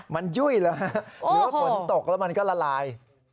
มันยุ่ยเหรอฮะหรือว่าฝนตกแล้วมันก็ละลาย